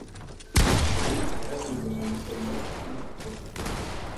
Hori hegazkineko zamategian eramango dute.